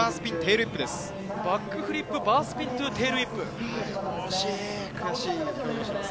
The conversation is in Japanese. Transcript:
バックフリップバースピンテールウィップです。